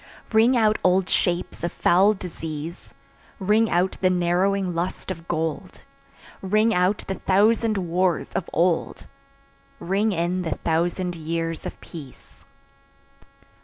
Ring out old shapes of foul disease, Ring out the narrowing lust of gold; Ring out the thousand wars of old, Ring in the thousand years of peace.